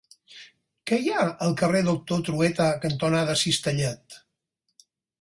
Què hi ha al carrer Doctor Trueta cantonada Cistellet?